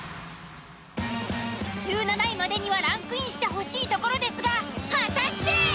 １７位までにはランクインしてほしいところですが果たして！？